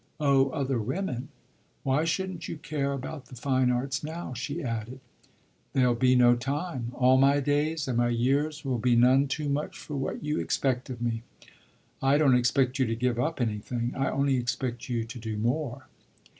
"Oh other women ! Why shouldn't you care about the fine arts now?" she added. "There'll be no time. All my days and my years will be none too much for what you expect of me." "I don't expect you to give up anything. I only expect you to do more."